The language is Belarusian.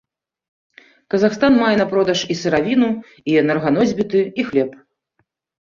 Казахстан мае на продаж і сыравіну, і энерганосьбіты, і хлеб.